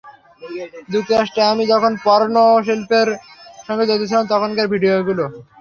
যুক্তরাষ্ট্রে আমি যখন পর্নো শিল্পের সঙ্গে জড়িত ছিলাম, তখনকার ভিডিও এগুলো।